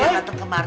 eh tunggu tunggu pak